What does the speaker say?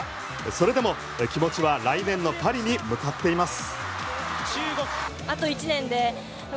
それでも気持ちは来年のパリに向かっています。